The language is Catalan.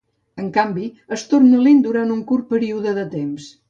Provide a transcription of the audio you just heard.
En canvi, es torna lent durant un curt període de temps.